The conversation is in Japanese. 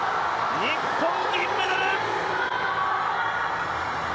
日本、銀メダル。